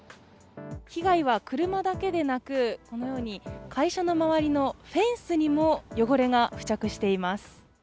被害は車だけでなく、このように会社の周りのフェンスにも汚れが付着しています。